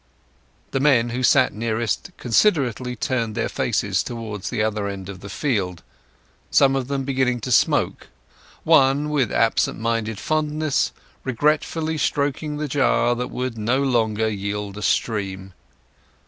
The men who sat nearest considerately turned their faces towards the other end of the field, some of them beginning to smoke; one, with absent minded fondness, regretfully stroking the jar that would no longer yield a stream.